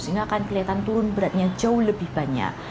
sehingga akan kelihatan turun beratnya jauh lebih banyak